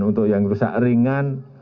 untuk yang rusak ringan